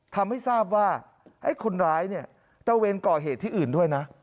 ทำให้ทราบว่าไอ้คนร้ายเนี่ยตะเวนก่อเหตุที่อื่นด้วยนะ